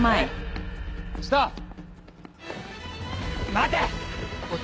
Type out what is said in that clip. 待て！